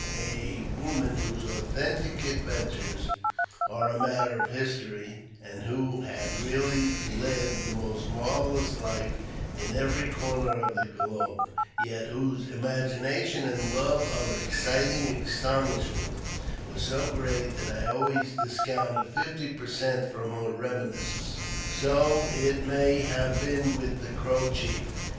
8 PBEFACE TO THE woman whose authentic adventures are matter of history, and who had really led the most marvellous life in every corner of the globe, yet whose imagination and love of exciting astonishment were so great that I always dis counted fifty per cent, from her reminiscences. So it may have been with the Crow chief.